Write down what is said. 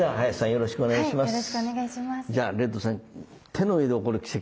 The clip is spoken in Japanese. よろしくお願いします。